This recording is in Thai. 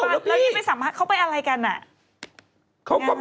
แล้วนี่ไปสัมภัยเขาไปอะไรกัน